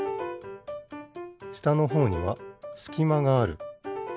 したのほうにはすきまがある。